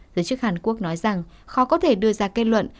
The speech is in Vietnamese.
giới chức hàn quốc nói rằng khó có thể đưa ra kết luận